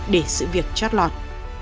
để sự việc trót lọt